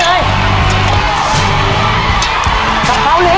ใส่ไปเร็วอย่างนั้นเลย